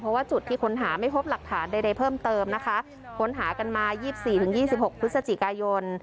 เพราะว่าจุดที่ค้นหาไม่พบหลักฐานใดใดเพิ่มเติมนะคะค้นหากันมายี่สิบสี่ถึงยี่สิบหกพฤศจิกายน